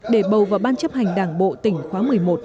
để bầu vào ban chấp hành đảng bộ tỉnh khóa một mươi một